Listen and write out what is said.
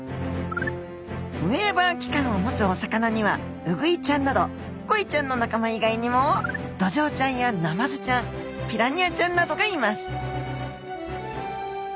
ウェーバー器官を持つお魚にはウグイちゃんなどコイちゃんの仲間以外にもドジョウちゃんやナマズちゃんピラニアちゃんなどがいます。